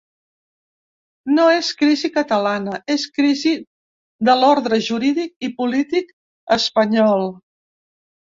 No és crisi catalana, és crisi de l'ordre jurídic i polític espanyol.